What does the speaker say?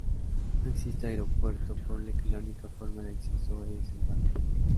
No existe aeropuerto, por lo que la única forma de acceso es en barco.